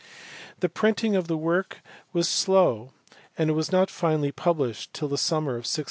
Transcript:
The printing of the work was slow and it was not finally published till the summer of 1687.